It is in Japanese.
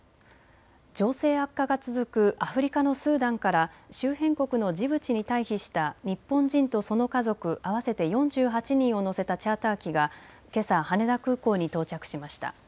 情勢悪化が続くアフリカのスーダンから周辺国のジブチに退避した日本人とその家族合わせて４８人を乗せたチャーター機がけさ羽田空港に到着しました。